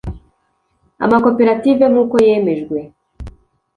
amakoperative nk’uko yemejwe